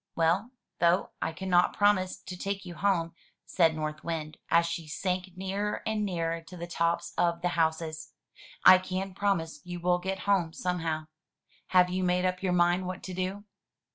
"Well, though I cannot promise to take you home," said North Wind, as she sank nearer and nearer to the tops of the houses, " I can promise you will get home somehow. Have you made up your mind what to do?"